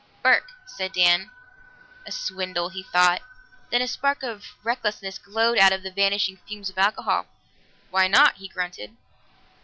"Burke," said Dan. "A swindle!" he thought. Then a spark of recklessness glowed out of the vanishing fumes of alcohol. "Why not?" he grunted.